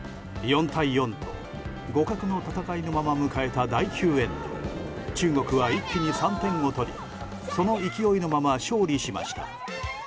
４対４と互角の戦いのまま迎えた第９エンド中国は一気に３点を取りその勢いのまま勝利しました。